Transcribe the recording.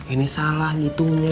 ini salah gitunya